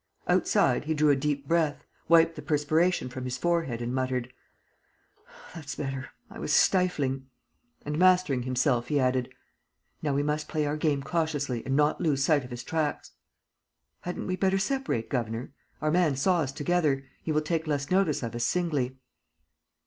Outside, he drew a deep breath, wiped the perspiration from his forehead and muttered: "That's better. I was stifling." And, mastering himself, he added, "Now we must play our game cautiously and not lose sight of his tracks." "Hadn't we better separate, governor? Our man saw us together. He will take less notice of us singly."